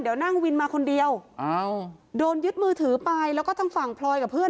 เดี๋ยวนั่งวินมาคนเดียวอ้าวโดนยึดมือถือไปแล้วก็ทางฝั่งพลอยกับเพื่อน